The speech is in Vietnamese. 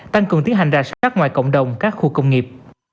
tăng cường tiến hành rà soát ngoài cộng đồng các khu công nghiệp